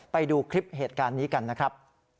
ไปดูคลิปเหตุการณ์นี้กันนะครับ